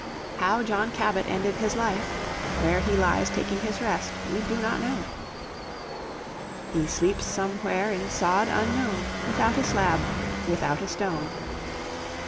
How John Cabot ended his life, where he lies taking his rest, we do not know. "He sleeps somewhere in sod unknown, Without a slab, without a stone."